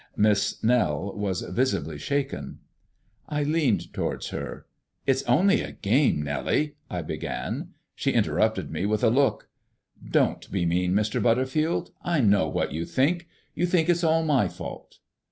Miss Nell was visibly shaken. I leaned towards her. "It's only a game, Nellie " I began. She interrupted me with a look. "Please don't be mean, Mr. Butterfield. I know what you think you think it's all my fault."